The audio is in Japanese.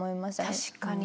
確かに。